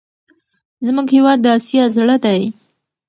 زموږ هېواد د اسیا زړه دی.